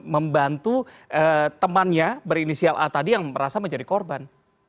membantu temannya berinisial a tadi yang merasa menjadi korban